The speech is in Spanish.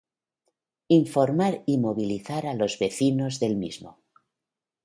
informar y movilizar a los vecinos del mismo